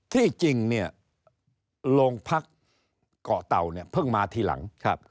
ที่จริงเนี่ยโรงพักเกาะเต่าเนี่ยเพิ่งมาทีหลัง